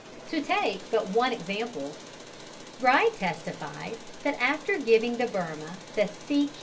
To take but one example Bride testified that after giving the Birma the "C.